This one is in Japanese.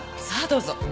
さあどうぞ。